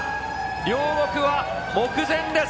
両国は目前です。